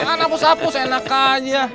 apaan apus apus enak aja